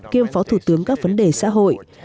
kiêm phó thủ tướng các vấn đề xã hội